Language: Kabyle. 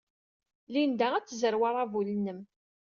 Linda ad tezrew aṛabul-nnem.